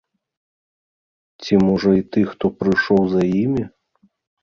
Ці, можа, і тых, хто прыйшоў за імі?